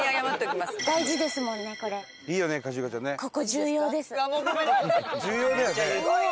重要だよね。